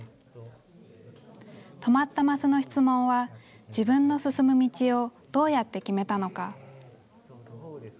止まったマスの質問は、自分の進む道をどうやって決めたのか。